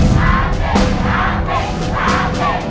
ข้าขึ้นข้าขึ้นข้าขึ้น